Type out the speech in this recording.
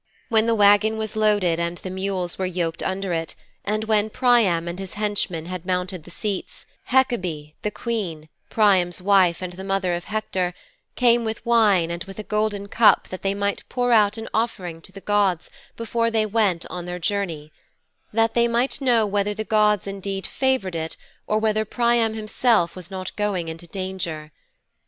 'When the wagon was loaded and the mules were yoked under it, and when Priam and his henchman had mounted the seats, Hekabe, the queen, Priam's wife and the mother of Hector, came with wine and with a golden cup that they might pour out an offering to the gods before they went on their journey; that they might know whether the gods indeed favoured it, or whether Priam himself was not going into danger.